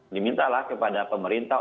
dimintalah kepada pemerintah